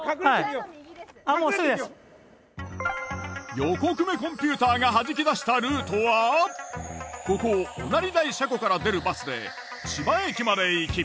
横粂コンピューターが弾き出したルートはここ御成台車庫から出るバスで千葉駅まで行き